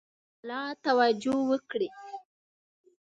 جلا توجه وکړي.